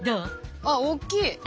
あ大きい。